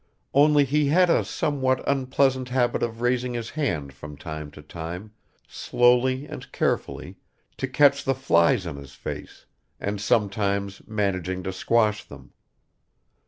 Only he had a somewhat unpleasant habit of raising his hand from time to time, slowly and carefully, to catch the flies on his face, and sometimes managing to squash them.